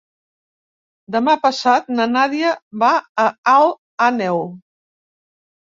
Demà passat na Nàdia va a Alt Àneu.